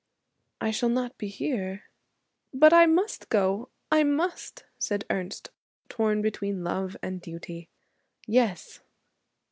'I shall not be here.' 'But I must go. I must,' said Ernest, torn between love and duty. 'Yes.'